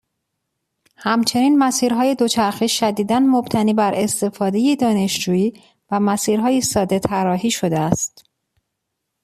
همچنین مسیرهای دوچرخه شدیدا مبتنی بر استفاده دانشجویی و مسیرهای ساده طراحی شده است.